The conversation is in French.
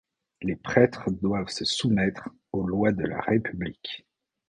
Les prêtres doivent se soumettre aux lois de la République.